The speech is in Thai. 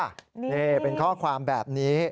นี่เป็นข้อความแบบนี้